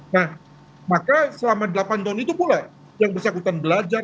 nah maka selama delapan tahun itu pula yang bersangkutan belajar